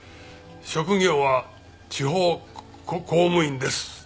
職業は地方公務員です。